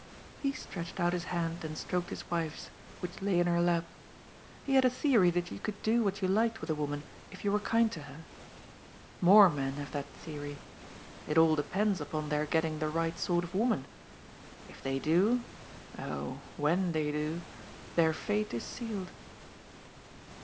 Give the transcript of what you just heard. He stretched out his hand and stroked his wife's, which lay in her lap. He had a theory that you could do what you liked with a woman if you were kind to her. More men have that theory. It all depends upon their getting the right sort of woman. If they do — oh, when they do !— their fate is sealed.